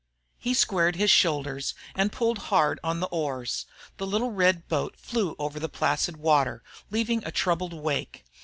He squared his shoulders and pulled hard on the oars. The little red boat flew over the placid water, leaving a troubled wake.